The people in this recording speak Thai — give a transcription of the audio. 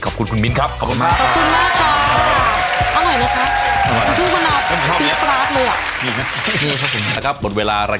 ขอบคุณคุณมิ้นค่ะขอบคุณมากคุณ